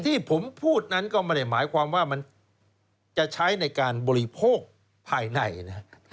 ที่ผมพูดนั้นก็ไม่ได้หมายความว่ามันจะใช้ในการบริโภคภายในนะ